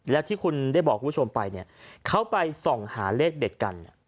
แล้วที่คุณได้บอกคุณผู้ชมไปเนี่ยเขาไปส่องหาเลขเด็ดกัน